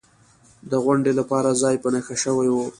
د غونډې لپاره ځای په نښه شوی و.